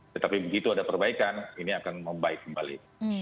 tetapi begitu ada perbaikan ini akan membaik kembali